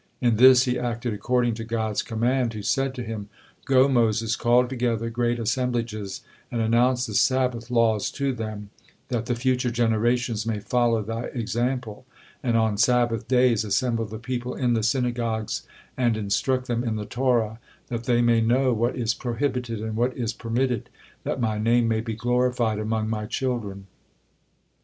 In this he acted according to God's command, who said to him: "Go, Moses, call together great assemblages and announce the Sabbath laws to them, that the future generations may follow thy example, and on Sabbath days assemble the people in the synagogues and instruct them in the Torah, that they may know what is prohibited and what is permitted, that My name may be glorified among My children."